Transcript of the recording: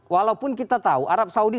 walaupun kita tahu arab saudi